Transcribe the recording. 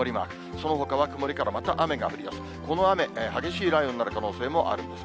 そのほかは曇りからまた雨が降りだす。